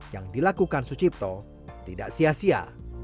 yang dilakukan sucipto tidak sia sia